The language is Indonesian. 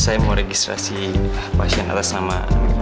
saya mau registrasi pasien atas nama